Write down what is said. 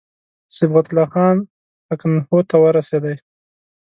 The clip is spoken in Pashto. صبغت الله خان لکنهو ته ورسېدی.